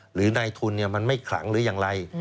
หรือในทุนมันไม่ขลังหรืออย่างไร